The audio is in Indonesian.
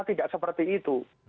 tidak seperti itu